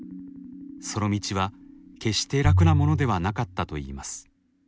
その道は決して楽なものではなかったといいます。